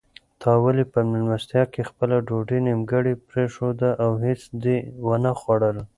تا ولې په مېلمستیا کې خپله ډوډۍ نیمګړې پرېښوده او هیڅ دې ونه خوړل؟